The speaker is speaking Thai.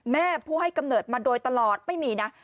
แม่ผู้ให้กำเนิดมาโดยตลอดไม่มีนะ